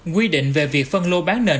quy định về việc phân lô bán nền